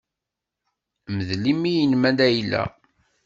Mdel imi-nnem a Layla.